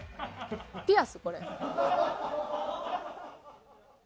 ピアス？これ。